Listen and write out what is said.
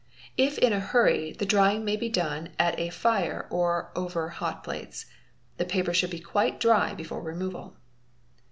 If in a hurry, the drying may be done at a fire or over hot plates. The papet should be quite dry before removal.